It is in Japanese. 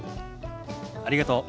ありがとう。